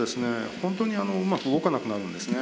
ほんとにうまく動かなくなるんですね。